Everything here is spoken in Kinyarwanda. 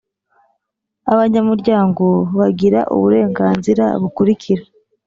Abanyamuryango bagira uburenganzira bukurikira :